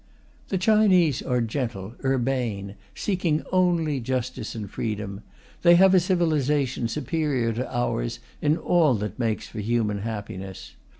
The Chinese are gentle, urbane, seeking only justice and freedom. They have a civilization superior to ours in all that makes for human happiness.